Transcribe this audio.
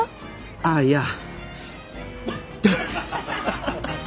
あっいや。